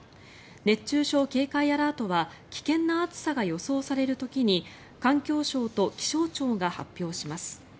熱中症警戒アラートは危険な暑さが予想される時に環境省と気象庁が発表します。